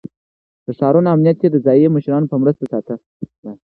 د ښارونو امنيت يې د ځايي مشرانو په مرسته ساته.